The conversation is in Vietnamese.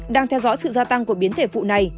đang theo dõi sự gia tăng của biến thể phụ này